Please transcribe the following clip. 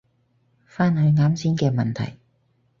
返去啱先嘅問題